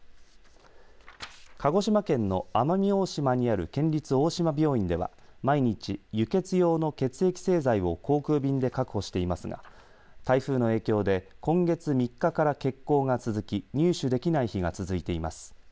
鹿児島県の奄美大島にある県立大島病院では毎日、輸血用の血液製剤を航空便で確保していますが台風の影響で今月３日から欠航が続き入手できない日が続いています。